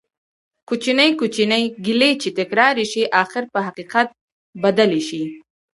کوچنی کوچنی ګېلې چې تکرار شي ،اخير په حقيقت بدلي شي